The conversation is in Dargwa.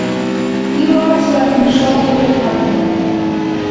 Илар сари нушала клеткабира.